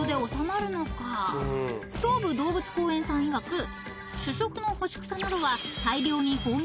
［東武動物公園さんいわく主食の干し草などは］